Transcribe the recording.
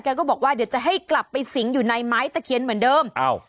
ก็บอกว่าเดี๋ยวจะให้กลับไปสิงอยู่ในไม้ตะเคียนเหมือนเดิมอ้าว